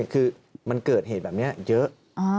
คือมันเกิดเหตุแบบนี้เยอะ